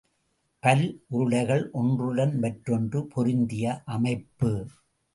பல் உருளைகள் ஒன்றுடன் மற்றொன்று பொருந்திய அமைப்பு.